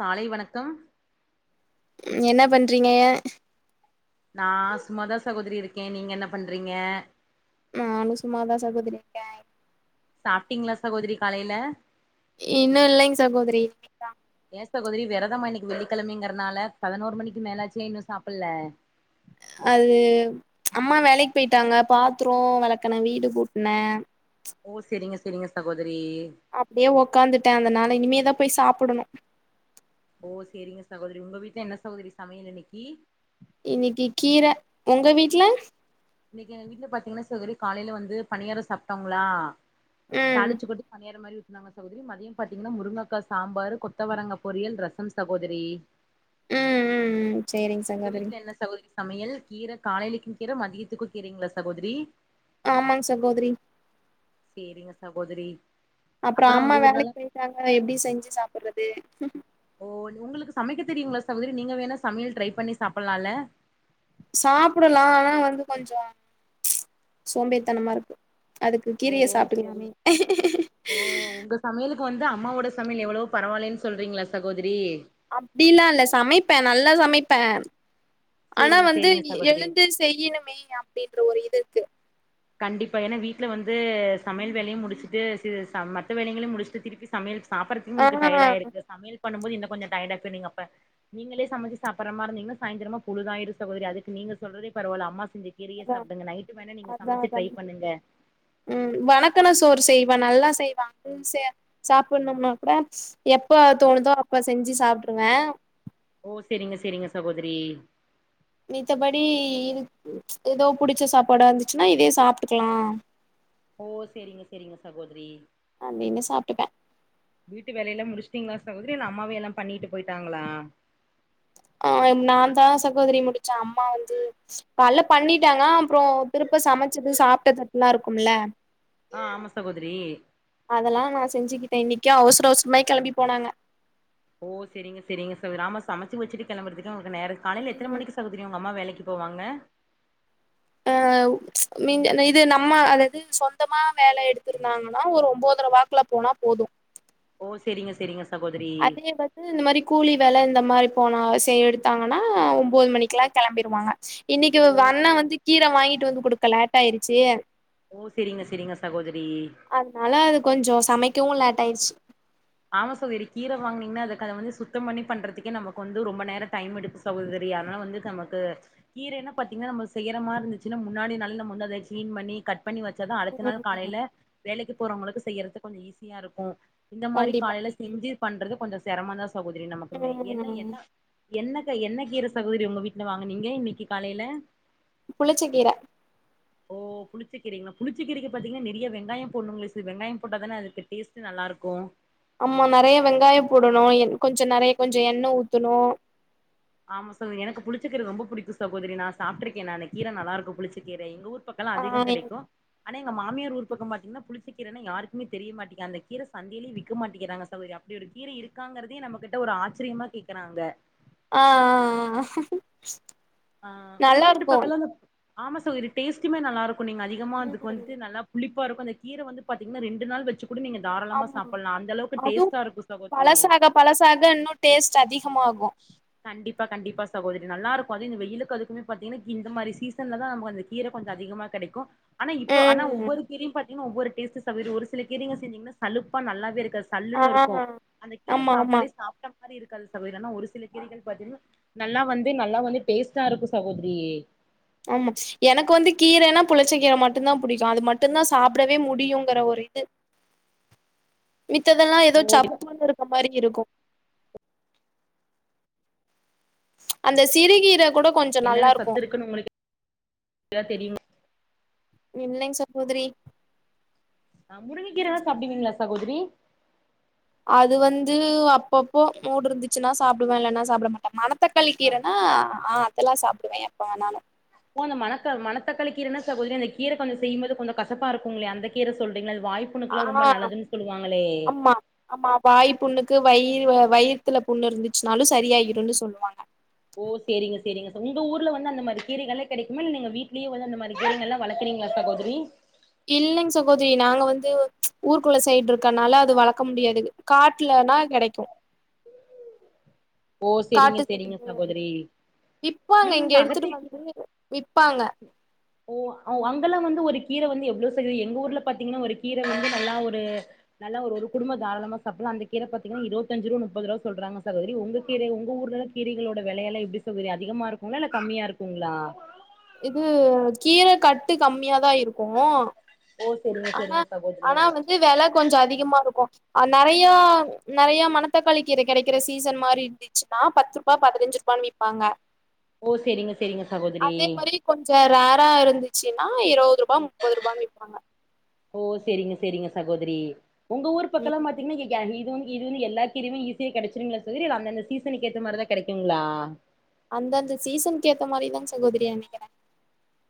காலை வணக்கம் என்ன பண்றீங்க நா சும்மாதா சகோதரி இருக்கே நீங்க என்ன பண்றீங்க நானு சும்மாதா சகோதரி இருக்கே சாப்ட்டீங்ளா சகோதரி காலைல இன்னு இல்லைங் சகோத்ரி சகோதுரி வெரதமா இன்னக் வெள்ளிக்கழமைங்கற்னால பதனோர் மணிக்கு மேலாச் ஏ இன்னு சாப்புல்ல அது அம்மா வேலைக் பெய்ட்டாங்க பாத்ரோ வெலக்குன வீடு கூட்ன ஓ செரிங்க செரிங்க சகோத அப்டே ஒக்காந்துட்ட அதனால இனிமே தா பேய் சாப்புடணு ஓ சேரிங்க சகோதுரி உங்க வீட்ல என்ன சகோதுரி சமயல் இன்னிக்கி இன்னிக்கி கீர ஒங்க வீட்ல இன்னக்கி எங்க வீட்ல பாத்தீங்ன்னா சேகரி காலைல வந்து பணியார சப்ட்டோங்ளா ம் தாளிச்சு கொட்டி பணியாற மாரியு நாங்க சகோதுரி மதியம் பாத்தீங்ன்னா முருங்கக்கா சாம்பாரு கொத்தவரங்கா பொரியல் ரசம் சகோதுரி ம் ம் ம் சேரிங் ஒங்க சகோதரி வீட்ல என்ன சகோத்ரி சமியல் கீர காலைலக்கி கீர மதியத்துக்கு கீரைங்ளா சகோதுரி ஆமாங் சகோத்ரி சேரிங்க சகோதுரி அப்ற அம்மா வேலைக் பேயிற்க்காங்க எப்டி செஞ்சி சாப்புற்றது ஓ ன் உங்ளுக்கு சமக்க தெரியுங்ளா சகோத்ரி நீங்க வேணா சமியல் ட்ரை பண்ணி சாப்புல்லால சாப்புடலா ஆனா வந்து கொஞ்சொ சோம்பேற்த்தனமாருக்கு அதுக்கு ஓ கீரியே செரிங் சாப்ட்டுக்குலாமே ஓ உங்க சமையலுக்கு வந்து அம்மாவோட சமில் எவளோ பரவாலைன் சொல்றீங்ளா சகோதிரி அப்டிலா இல்ல சமைப்பே நல்லா சமைப்பே ஆனா சேரிங்க வந்து சேரிங்க சகோதரி எழுந்து செய்யிணுமே அப்டின்ற ஒரு இதுர்க்கு கண்டிப்பா ஏன்னா வீட்ல வந்து சமயல் வேலயு முடுச்சுட்டு சி ச மத்த வேலைகள்யு முடிஷ்டு திரிப்பி சம்யல் சாப்பற்து ஆ உங்ளுக்கு டயட் ஆயிருக்கு சம்யல் பண்ணுபோது இன்ன கொஞ்ச டயட் ஆய்ப்ப நீங் அப்ப நீங்களே சமச்சு சாப்பற்ற மார் இர்ந்திங்னா சாய்ந்திரமா பொழுதாயிரு சகோதுரி அதுக்கு நீ ஈங்க சொல்றதே பரவால்ல அம்மா செஞ்ச கீரயே சாப்டுங்க நைட்டு வேணா நீங்க சமைச்சு தாதா ட்ரை பண்ணுங்க ம் வணக்குன சோறு செய்வா நல்லா செய்வாங் உம்சே சாப்புட்னும்னா கூட எப்ப தோணுதோ அப்ப செஞ்சு சாப்ட்ரு ஓ செரிங்க செரிங்க சகோதுரி மித்தபடி இதுக் எதோ புடிச்ச சாப்பாடா இந்துச்சுனா இதே சாப்ட்டுக்லா ஓ சேரிங்க சேரிங்க சகோத்ரி அப்டினு சாப்ட்டுப்ப திங்ளா சகோத்ரி இல்ல அம்மாவே எல்லா பண்ணிட்டு பொயிட்டாங்ளா ஆ நாந்தா சகோதரி முடுச்ச அம்மா வந்து கால்ல பண்ணிட்டாங்க அப்றொ திருப்ப இப்ப சமச்சுது சாப்ட்ட தட்லா இருக்கும்ல ஆ ஆமா சகோதரி அதலா நா செஞ்சிகிட் இன்னிக்கே அவுஸ்ர அவுஸ்ரமா கெலம்பி போனாங்க ஓ செரிங்க செரிங்க சவுதிர் ஆமா சமச்சு வச்சிட்டு கெலம்புற்துக்கு அவுங்கு நேர காலைல எத்தன ம் மணிக்கு சகோதுரி உங்கம்மா வேலக் போவாங்க அ மிஞ்ச இது நம்ம அதாது சொந்தமா வேல எடுத்துருந்தாங்கனா ஒரு ஒம்போது வாக்குல போனா போது ஓ செரிங்க செரிங்க அதே வந்து இந்த மாரி கூலி வேலை இந்த மாரி போனா செய் எடுத்தாங்கன்னா ஒன்பது மணிக்குல்லா கெளம்பிருவாங்க இன்னைக்கு ஓ சே அண்ணே வந்து கீர வாங்கிட்டு வந்து குடுக்க லேட் ஆயிடுச்சு ஓ செரிங்க செரிங்க சகோதரி அதுனால அது கொஞ்சோ சமைக்கவு லேட் ஆயிர்ச்சு ஆமா சகோதரி கீர வாங்கினீங்கன்னா அதுக்கு அத வந்து சுத்தம் பண்ணி பண்றதுக்கே நமக்கு வந்து ரொம்ப நேர டைம் எடுக்கு சகோதரி அதுனால வந்து நமக்கு கீரைனு பாத்தீங்கன்னா நம்ம செய்யற மாரி இருந்துச்சுன்னா முன்னாடி நாளே நம்ம அத கிளீன் பண்ணி கட் பண்ணி வச்சாதா அடுத்த நாள் ம் காலையில வேலைக்கு போறவங்களுக்கு செய்யறது கொஞ்ச ஈஸியா இருக்கு இந்த மாரி கண்டிப்பா காலையில செஞ்சு பண்றது கொஞ்சோ சிரமந்தா சகோதரி நமக்குமே என்ன ம் என்ன என்ன என்ன கீர சகோதரி உங்க வீட்ல வாங்குனீங்க இன்னைக்கு காலைல புளிச்ச கீர ஓ புளிச்சக்கீரைங்களா புளிச்சகீரைக்கு பாத்தீங்கன்னா நிறைய வெங்காயம் போடணுங்களே வெங்காயம் போட்டாதானே அதுக்கு டேஸ்ட் நல்ல இருக்கு ஆமா நிறைய வெங்காய போடணு கொஞ்ச நிறைய கொஞ்ச எண்ணெ ஊத்தணு ஆமா சகோதரி எனக்கு புளிச்சக்கீர ரொம்ப புடிக்கும் சகோதரி நா சாப்டுருக்கே நா இன்ன கீர நல்லா இருக்கு புளிச்சக்கீரை எங்க ஊர் பக்கலா ஆ அதிகம் கிடைக்கு ஆனா எங்க மாமியார் ஊரு பக்கம் பாத்திங்கன்னா புளிச்ச கீரைன்னா யாருக்குமே தெரிய மாட்டிங்கு அந்த கீரை சந்தைலயே விக்கமாட்டிங்கிறாங்க சகோதரி அப்டி ஒரு கீர இருக்காங்கிறதே நம்ம கிட்ட ஒரு ஆச்சரியமா கேக்குறாங்க ஆ அ அ ஆ உங்க வீட்டு பக்கல்லா ஆமா சகோதரி டேஸ்டுமே நல்லா இருக்கு நீங்க அதிகமா அதுக்கு ம் வந்து நல்லா புளிப்பா இருக்கு அந்த கீர வந்து பாத்தீங்கன்னா ரெண்டு நாள் வெச்சு ஆமா அதுவு இருக்கு சகோதரி பழசாக பழசாக இன்னு டேஸ்ட் அதிகமாகு கண்டிப்பா கண்டிப்பா சகோதரி நல்லா இருக்கு இந்த வெயிலுக்கு அதுக்குமே பாத்தீங்கன்னா இந்த மாரி சீசன்லதா நமக்கு அந்த கீர கொஞ்ச அதிகமா கிடைக்கு ஆனா இப்ப ஆனா ம் ஒவ்வொரு கீரையு பாத்தீங்கன்னா ஒவ்வொரு டேஸ்டு சகோதரி ஒரு சில கீீரைங்க செஞ்சீங்கன்னா சலுப்பா நல்லாவே இருக் ஆ சல்லுன்னு இருக்கு அந்த கீர ஆமா ஆமா சாப்ட்டாலே சாப்ட்ட மாரி இருக்காது சகோதரி ஆனா ஒரு சில கீரைகள் பாத்தீங்கன்னா நல்லா வந்து நல்லா வந்து டேஸ்டா இருக்கு சகோதரியே ஆமா எனக்கு வந்து கீரைன்னா புளிச்ச கீர மட்டுதா பிடிக்கும் அது மட்டுதா சாப்பிடவே முடியுங்கற ஒரு இது மித்ததெல்லா எதோ ஓ சப்புன்னு இருக்க மாரி இருக்கு அந்த சிறுகீர கூட கொஞ்ச நல்லா என்னென்ன இருக்கு சத்து இருக்குன்னு உங்களுக்கு எதா தெரியுமா இல்லைங்க சகோதரி ஆ முருங்கக்கீரைலா சாப்டுவீங்களா சகோதரி அது வந்து அப்பப்போ மூடு இருந்துச்சுன்னா சாப்பிடுவே இல்லன்னா சாப்ட மாட்டே மண த்தக்காளி ஆ கீரைனா ஆ அதெல்லா சாப்பிடுவே எப்ப வேணாலு அந்த மணக்க மணத்தக்காளி கீரனா சகோதரி அந்த கீர கொஞ்ச செய்யும்போது கொஞ்சோ கசப்பா இருக்குங்ளே அந்த கீர சொல்றீங்களா வாய் புண்ணுக்குல்லா ரொம்ப ஆ நல்லதுன்னு சொல்லுவாங்களே ஆமா ஆமா வாய் புண்ணு க்கு வயிர் வயித்துல புண்ணு இருந்துச்சுனாலு சரியாயிருன்னு சொல்லுவாங்க ஓ சேரிங்க சேரிங்க உங்க ஊர்ல வந்து அந்தமாரி கீரைகள்ல்லா கிடைக்குமா இல்ல நீங்க வீட்லயே வந்து அந்த மாரி கீரைங்கெல்லா வளக்கு றீங்களா சகோதரி இல்லைங்க சகோதிரி நாங்க வந்து ஊருக்குள்ள சைட் இருக்கனால அது வளக்க முடியாது காட்டுல னா கிடைக்கு ஓ சேரிங்க சேரிங்க சகோதரி விப்பாங்க நீங்க இங்க இந்த எடுத்துட்டு அகத்திக்கீ வந்து விப்பாங்க ஓ அ ஒன் அங்கல்லா வந்து ஒரு கீர வந்து எவ்ளோ சகோதரி எங்க ஊர்ல பாத்தீங்கன்னா ஒரு கீர வந்து நல்லா ஒரு நல்லா ஒரு ஒரு குடும்பத் தாராளமா சாப்புலா அந்த கீர பாத்திங்கன்னா இருவத்தஞ்சு ரூபா முப்பது ரூபா சொல்றாங்க சகோதிரி உங்க கீரை உங்க ஊர்ல கீரைகளோட விலையெல்லா எப்டி சகோதரி அதிகமா இருக்குங்களா இல்ல கம்மியா இருக்குங்களா இது கீர கட்டு கம்மியாதா இருக்கோ ஓ செரிங்க ஆனா செரிங்க சகோதரி ஆனா வந்து வெல கொஞ்சோ அதிகமா இருக்கோ அ நறையோ நறையோ மணத்தக்காளி கீர கெடைக்கிற சீசன் மாரி இருந்துச்சுன்னா பத்துருபா பதினஞ்சு பண்ணிப்பாங்க ஓ செரிங்க செரிங்க சகோதரி அதே மாதிரி கொஞ்சோ ரேரா இருந்துச்சு ன்னா இருபதுருபா முப்பதுருபான்னு விப்பாங்க ஓ செரிங்க செரிங்க சகோதரி உங்க ஊர் பக்கோலா ம் பாத்தீங்கன்னா எல்நீரோ இது வந்து எல்லா கீரையுமே ஈசியா கெடைச்சிருங்களா சகோதரி இல்ல அந்த அந்த சீசனுக்கு ஏத்த மாதிரி தா கெடைக்குங்களா அந்தந்த சீசன்க்கு ஏத்த மாரிதா சகோதரிய நெனைக்கிறே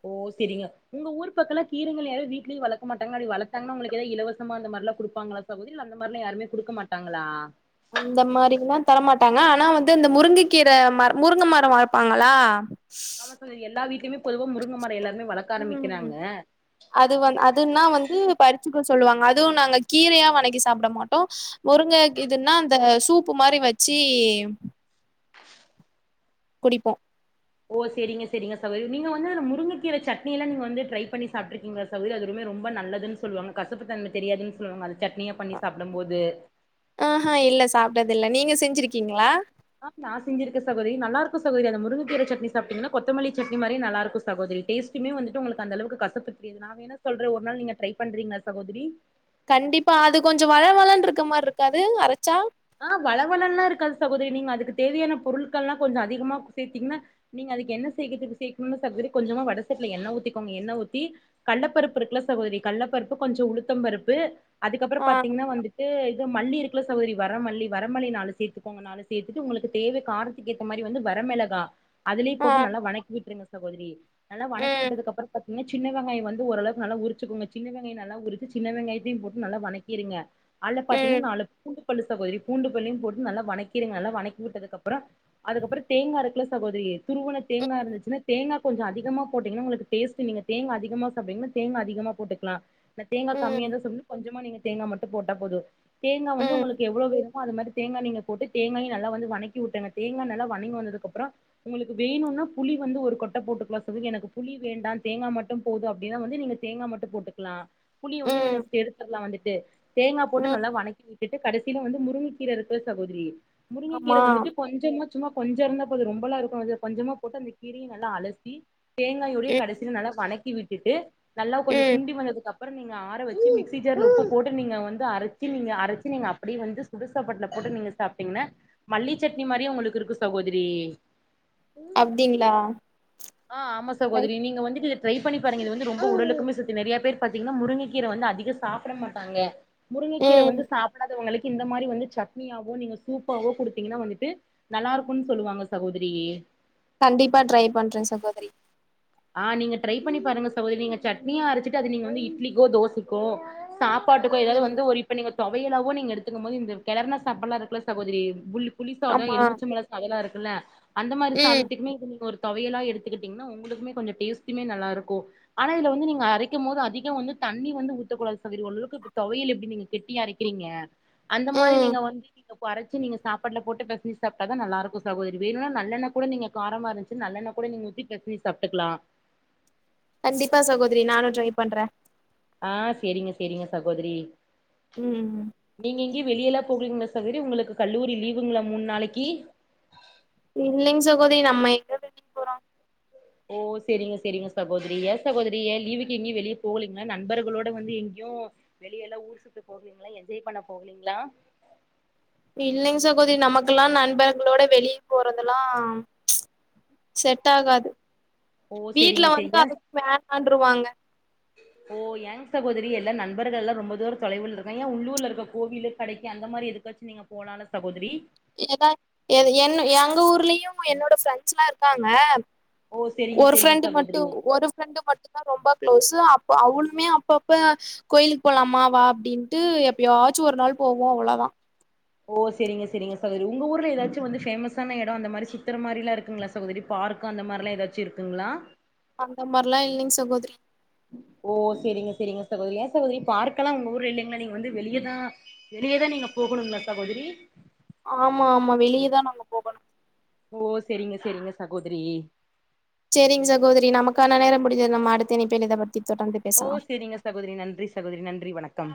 ஓ செரிங்க உங்க ஊரு பக்கோலா கீரைங்க வீட்லயே வளக்க மாட்டாங்காப்படி வளத்தாங்கனா உங்குளுக்கு ஏதாவ இலவசமா அ அந்த மார்லா குடுப்பாங்களா சகோதிரி அந்த மாரிலா யாருமே குடுக்க மாட்டாங்களா அந்த மாரில்லா தரமாட்டாங்க ஆனா வந்து அந்த முருங்க கீர மர முருங்க மரோ வளப்பாங்களா ஆமா சகோதுரி எல்லா வீட்டுலயுமே பொதுவா முருங்க மரோ இல்ல ம் அது வந் அதுன்னா வந்து பறிச்சு வதக்க சொல்லுவாங்க அதுவு நாங்க கீரைய வணக்கி சாப்புட மாட்டோ முருங்க இதுன்னா இந்த சூப்பு மாரி வெச் வெச்சி குடிப்போ ஓ செரிங்க செரிங்க சகோதுரி நீங்க வந்து முருங்க கீர சட்னி எல்லா நீங்க வந்து ட்ரை பண்ணி சாப்ட்றுக்கீங்களா சகோதுரி அது ரொம் ப நல்லதுன்னு சொல்லுவாங்க கசப்பு தெரியாது சொல்லுவாங்க அது சட்னியா பண்ணி சாப்பிடும் போது செஞ்சதுல்ல நீங்க செஞ்சிருக்கீங்களா ஆஃப் நா செஞ்சிருக்க சகோதிரி நல்லார்க்கோ சகோதிரி அந்த முங்கக்கீர சட்னி சாப்பிட்டீங்கன்னா கொத்தமல்லி சட்னி மாரியே நல்லார்க்கு சகோதரி இந்த டேஸ்டுமே வந்துட்டு உங்குளுக்கு அந்தளவுக்கு கசப்பு தெரியாது நா வேணா சொல்ற ஒரு நாள் நீங்க ட்ரை பண்றீங்களா சகோதிரி கண்டிப்பா அது கொஞ்சோ வழ வழனு இருக்க மாரி இருக்காது அரச்சா ஆ வழ வளனுலா இருக்காது சகோதிரி நீங்க அதுக்கு தேவையான பொருட்கள்லா கொஞ்சோ அதிகமா சேர்த்தீங்ன்னா நீங்க அதுக்கு என்ன சேக்குறுது சேக்குனோனா சகோதுரி கொஞ்சமா வடசட்டில எண்ண ஊத்திகோங்க எண்ண ஊத்தி கள்ளப்பருப்பு இருக்குல சகோதரி கள்ள பருப்பு கொஞ்சோ உளுத்தம் பருப்பு அதுக்கப்புறோ ஆ பாத்தீங்கன்னா வந்துட்டு இது மல்லி இருக்கல சகோதரி வரமல்லி வரமல்லி நாலு சேத்துக்கோங்கனால சேத்துட்டு உங்குளுக்கு தேவை காரத்துக்கு ஏத்த மாரி வந்து வரமெளகா அதுலயே ஆ போட்டு நல்லா வணக்கி விட்டுருங்க சகோதுரி நல்லா வணக்கி ம் வுட்டுதுக்கப்புறோ பாத்தீங்ன்னா சின்ன வெங்காயோ வந்து ஓரளவு நல்லா உரிச்சக்கோங்க சின்ன வெங்காயோ நல்லா உரிச்சு சின்ன வெங்காயத்தையு போட்டு நல்லா வணக்கி எடுங்க அத்ல பாத்தீங்கன்னா ம் நாலு பூண்டு டு பல்லு சகோதிரி பூண்டு பல்லுயு போட்டு நல்லா வணங்கிருங்க நல்லா வணக்கி விட்டதுக்கப்புறோ அதுக்கப்புறோ தேங்கா இருக்குல சகோதிரி டேஸ்ட் துருவுன தேங்கா இருந்துச்சுனா தேங்கா கொஞ்சோ அதிகமா போட்டீங்கன்னா உங்குளுக்கு டேஸ்ட்டு நீங்க தேங்கா அதிகமா சாப்டுவீங்கனா தேங்கா அதி அதிகமா போட்டுக்கலா இந்த தேங்கா ம் கம்மியாதா சொ கொஞ்சமா நீங்க தேங்கா மட்டோ போட்டா போதோ தேங்கா வந்து ம் உங்குளுக் இருக்கோ அது மாரி தேங்கா நீங்க போட்டு தேங்காய நல்லா வந்து வணக்கி வுட்டுங்க தேங்கா நல்லா வணங்கி வந்ததுகப்புறோ உங்குளுக்கு வே ணோனா புளி வந்து ஒரு கொட்ட போட்டுக்குலா சகோதுரி எனக்கு புளி வேண்டா தேங்கா மட்டு போது அப்டீன்னா வந்து நீங்க தேங்கா மட்டு போட்டுக்கலா புளிய வந்து நீங்க ம் எடுத்துற்லா வந்துட்டு தேங்கா போட்டு ம் நல்லா வணக்கி விட்டுட்டு கடசி வந்து முருங்கக்கீர இருக்குல சகோதரி முருங்கக்கீர ஆமா வந்துட்டு கொஞ்சமா சும்மா கொஞ்சோ இருந்தா போதோ ரொம்பெல்லா இருக்கோ அது கொஞ்சமா போட்டு அந்த கீரய நல்லா அலசி தேங்காயோடயே ம் கடைசியா நல்லா வணக்கி விட்டுட்டு நல்லா கொஞ்சோ ம் சுண்டி வந்ததுக்கப் புறோ நீங்க ஆற வெச்சு மிக்சி ஜார்ல போட்டு நீங்க வந்து அரச்சி நீங்க அரச்சி நீங்க அப் அப்டி வந்து சுடுசாப்பாட்டுல போட்டு நீங்க சாப்பிட்டீங்னா மல்லி சட்னி மாரியே உங்குளுக்கு இருக்கு சகோதுரி அப்டிங்களா அ ஆமா சகோதரி நீங்க வந்துட்டு ட்ரை பண்ணி பாருங்க இது வந்து ரொம்போ உடலக்குமே சத்து நறிய பேரு பாத்தீங்கன்னா முருங்கீர வந்து அதிகமா சாப்புட மாட்டாங்க முருங்கக்கீர வந்து ம் சாப் புற உங்குளுக்கு இந்த மாரி வந்து சட்னியாவோ நீங்க சூப்பாவோ குடுத்தீங்கன்னா வந்துட்டு நல்லா இருக்கோனு சொல்லுவாங்க சகோதிரி ஏ கண்டிப்பா ட்ரை பண்றே சகோதிரி ஆ நீங்க ட்ரை பண்ணி பாருங்க சகோதிரி நீங்க சட்னியா அரச்சிட்டு அது நீங்க வந்து இட்லிக்கோ தோசிக்கோ சாப்பாட்டுக்கோ எதாவது ம் வந்து ஒரு இப்ப நீங்க தொவையலாவோ நீங்க எடுத்துக்கும் போது இந்த கெளர்ன சாப்பா இருக்கு சகோதரி உள்ள புளி சாதோ ஆமா எலுமிச்ச பழ சாதோ இருக்குல்ல அந்த மாரி ம் சாதத்துக்குமே நீங்க ஒரு தொவையலா எடுத்துக்கிட்டீங்ன்னா உங்குளுக்குமே கொஞ்சொ டேஸ்டுமே நல்லா இருக்கு ஆனா இதுல வந்து நீங்க அரைக்கும் போது அதிகம் வந்து தண்ணி வந்து ஊத்த கூடாது சகோதரி ஓரளவுக்கு தொவையில் எப்டி நீங்க கெட்டியா அரைக்கிறீங்க அந்த மாரி ம் நீங்க வந்து அறச்சு நீங்க சாப்பாட்ல போட்டு பெசஞ்சு சாப்ட்டாதா நல்லா இருக்கு சகோதரி வேணுனா நல்லெண்ண கூட நீங்க காரமா இருந்துச்சு நல்லெண்ண கூட நீங்க ஊத்தி பெசஞ்சு சாப்ட்டுக்லா கண்டிப்பா சகோதரி நானு ட்ரை பண்ற ஆ செரிங்க செரிங்க சகோதரி ம் ங்கி வெளிய எல்லா போகறீங்களா சகோதரி உங்களுக்கு கல்லூரி லீவுங்ளா மூன் நாளைக்கி இல்லைங் சகோதரி நம்ம எங்க வெளிய போறோ ஓ செரிங்க செரிங்க சகோதரி ஏ சகோதரி லீவுக்கு எங்கெயு வெளிய போகலீங்ளா நண்பர்களோட வந்து எங்கேயு னு வெளியெல்லா ஊர் சுத்த போகலீங்ளா என்ஜாய் பண்ண போகலீங்ளா இல்லைங்க சகோதரி நமக்கெல்லா நண்பர்களோட வெளிய போறதெல்லாம் செட் ஆகாது ஓ வீட்ல சேரிங்க சேரி வந்து ஏ அதுக்கு வேண்டான்ட்ருவாங்க ஓ ஏங் சகோதரி எல்லா நண்பர்கள் எல்லா ரொம்ப தூர தொலைவில இருக்காங்ளா ஏ உள்ளூர்ல இருக்க கோவிலு கடைக்கு அந்த மாரி எதுக்கு சசு நீங்க போலல்ல சகோதரி ஏத எ என் எங்க ஊர்லயு என்னோட ஃப்ரெண்ட்ஸ் ல்லா இருகாங்க ஓ செரிங்க ஒரு செரிங்க ஃப்ரெண்டு மட்டு சகோதரி ஒரு ஃப்ரெண்டு மட்டு தா ரொம்ப க்ளோஸு அப்ப அவளுமே அப்பப்ப கோயிலுக்கு போலாமா வா அப்டின்னு ட்டு எப்யாச்சு ஒரு நாள் போவோ அவ்ளோதா ஓ செரிங்க செரிங்க சகோதரி உங்க ஊர்ல எதாச்சு வந்து ஃபேமஸான எடம் அந்த மாரி சுத்தர மாரிலா இருக்குங்களா சகோதரி பா பார்க்கு அந்த மாரில்லா எதாச்சு இருக்குங்ளா அந்தமார்லா இல்லீங் சகோதிரி ஓ செரிங்க செரிங்க சகோதரி ஏ சகோதரி பார்க்கெல்லா உங்க ஊர்ல இல்லைங்ளா நீங்க வந்து வெளியேதா வெளியதா நீங்க போகுனுங்ளா சகோதரி ஆமா ஆமா வெளியதா நாங்க போகணு ஓ செரிங்க செரிங்க சகோதரி செரிங் சசோதரி நமக்கான நேரம் முடிஞ்சது நம்ம அடுத்த இணைபில் இதப் பற் த்தி தொடர்ந்து ஓ பேசலாம் செரிங்க சகோதரி நன்றி சகோதரி நன்றி வணக்கம்